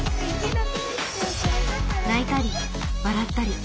泣いたり笑ったり。